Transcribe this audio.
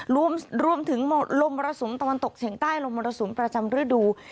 รวมถึงลมระสุนตอนตกเฉียงใต้ลมระสุนประจำฤดู